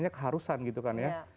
keharusan gitu kan ya